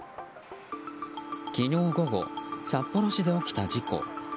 昨日午後、札幌市で起きた事故。